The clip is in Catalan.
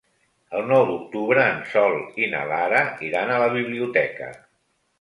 El nou d'octubre en Sol i na Lara iran a la biblioteca.